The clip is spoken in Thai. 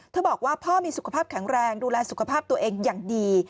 บอกว่าพ่อมีสุขภาพแข็งแรงดูแลสุขภาพตัวเองอย่างดี